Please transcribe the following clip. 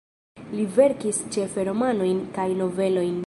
Li verkis ĉefe romanojn kaj novelojn.